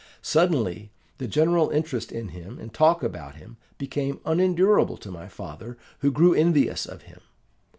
Suddenly the general interest in him and talk about him became unendurable to my father who grew envious of him.